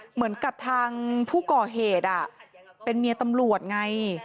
เหมือนกับทางผู้ก่อเหตุเป็นเมียตำรวจไง